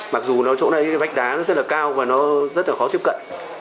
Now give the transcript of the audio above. mặc dù chỗ này vách đá rất là cao và nó rất là khó tiếp cận